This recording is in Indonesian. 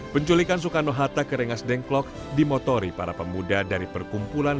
penculikan soekarno hatta ke rengas dengklok dimotori para pemuda dari perkumpulan